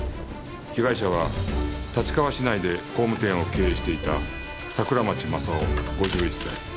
被害者は立川市内で工務店を経営していた桜町正夫５１歳